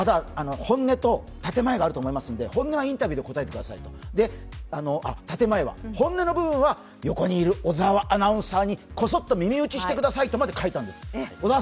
本音と建て前はあるんですが建て前はインタビューで答えてくださいと、本音の部分は横にいる小沢アナウンサーにこそっと耳打ちしてくださいとまで書いたんです。